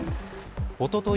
おととい